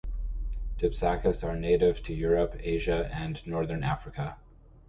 Dipsacus are native to Europe, Asia and northern Africa.